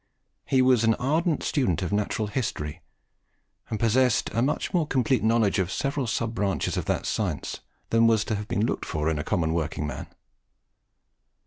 He was an ardent student of natural history, and possessed a much more complete knowledge of several sub branches of that science than was to have been looked for in a common working man.